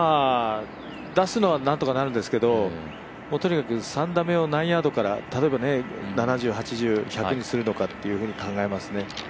出すのは何とかなるんですけどとにかく３打目を何ヤードから、例えば７０、８０、１００にするのかと考えますね。